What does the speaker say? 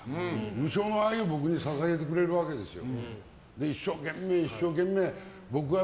無償の愛を僕に捧げてくれるわけですよ。